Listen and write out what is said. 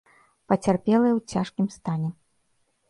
Пацярпелыя ў цяжкім стане.